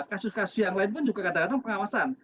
kasus kasus yang lain pun juga kadang kadang pengawasan